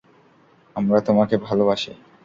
আমরা তোমাকে ভালোবাসি।